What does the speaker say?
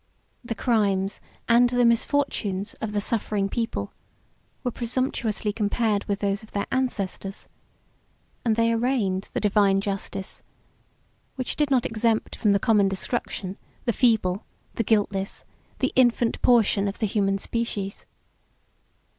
The crimes, and the misfortunes, of the suffering people, were presumptuously compared with those of their ancestors; and they arraigned the Divine Justice, which did not exempt from the common destruction the feeble, the guiltless, the infant portion of the human species.